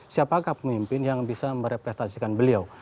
siapakah pemimpin yang bisa merepresentasikan beliau